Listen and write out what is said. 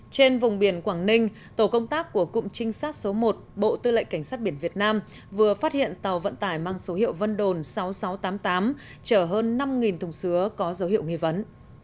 trên vùng biển quảng ninh tổ công tác của cụm trinh sát số một bộ tư lệnh cảnh sát biển việt nam vừa phát hiện tàu vận tải mang số hiệu vân đồn sáu nghìn sáu trăm tám mươi tám chở hơn năm thùng sứa có dấu hiệu nghi vấn